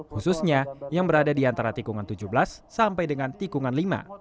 khususnya yang berada di antara tikungan tujuh belas sampai dengan tikungan lima